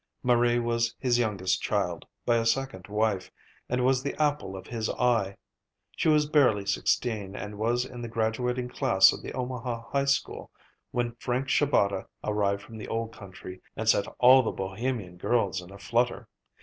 Marie was his youngest child, by a second wife, and was the apple of his eye. She was barely sixteen, and was in the graduating class of the Omaha High School, when Frank Shabata arrived from the old country and set all the Bohemian girls in a flutter.